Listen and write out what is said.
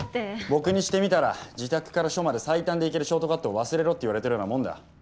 僕にしてみたら自宅から署まで最短で行けるショートカットを忘れろって言われてるようなもんだ。